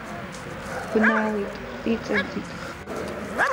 Бналеит, иҵаӡит.